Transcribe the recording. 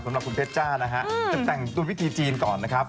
สำหรับคุณเพชรจ้านะฮะจะแต่งตัววิธีจีนก่อนนะครับ